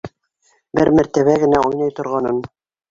— Бер мәртәбә генә уйнай торғанын.